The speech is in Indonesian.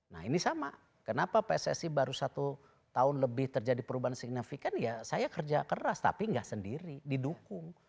nah ini sama kenapa pssi baru satu tahun lebih terjadi perubahan signifikan ya saya kerja keras tapi nggak sendiri didukung